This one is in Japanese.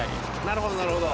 なるほどなるほど。